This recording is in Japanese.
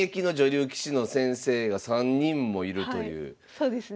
そうですね。